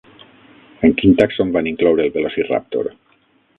En quin tàxon van incloure el Velociraptor?